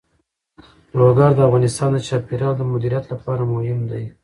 لوگر د افغانستان د چاپیریال د مدیریت لپاره مهم دي.